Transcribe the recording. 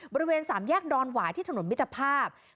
บริเวณ๓แยกธุรกิจวายที่ถนนมิถภาพ